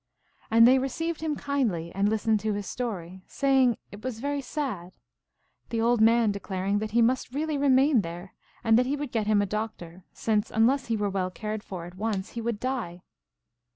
And they re ceived him kindly, and listened to his story, saying it was very sad, the old man declaring that he must really remain there, and that he would get him a doc tor, since, unless he were well cared for at once, he would die.